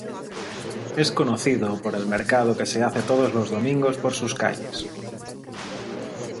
Es conocido por el mercado que se hace todos los domingos por sus calles.